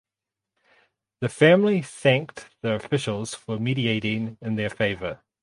The family thanked the officials for mediating in their favor.